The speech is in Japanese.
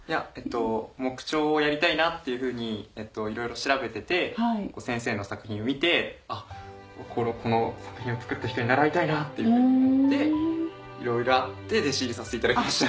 木彫をやりたいなっていうふうにいろいろ調べてて先生の作品を見てこの作品を作った人に習いたいなっていうふうに思っていろいろあって弟子入りさせていただきました。